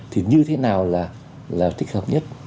thì như thế nào là thích hợp nhất